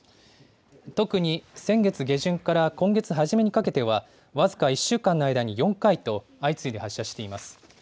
特に先月下旬から今月初めにかけては、僅か１週間の間に４回と、相次いで発射しています。